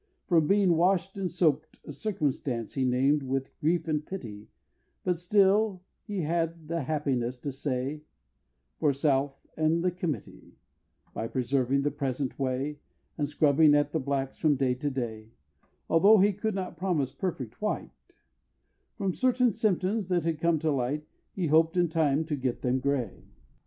From being washed and soaped, A circumstance he named with grief and pity; But still he had the happiness to say, For self and the Committee, By persevering in the present way And scrubbing at the Blacks from day to day, Although he could not promise perfect white, From certain symptoms that had come to light, He hoped in time to get them gray!